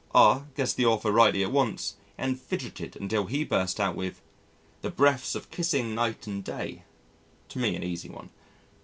R guessed the author rightly at once and fidgeted until he burst out with, "The Breaths of kissing night and day" to me an easy one.